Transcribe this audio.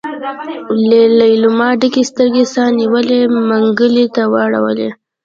ليلما ډکې سترګې سا نيولي منګلي ته واړولې.